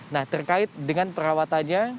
nah terkait dengan perawatannya